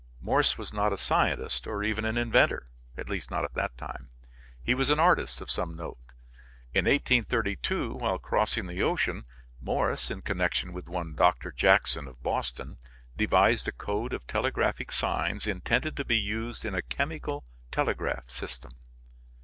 Morse was not a scientist or even an inventor, at least not at that time. He was an artist of some note. In 1832, while crossing the ocean, Morse, in connection with one Dr. Jackson of Boston, devised a code of telegraphic signs intended to be used in a chemical telegraph system.